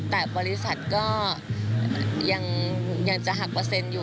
แต่บริษัทก็ยังจะหักเปอร์เซ็นต์อยู่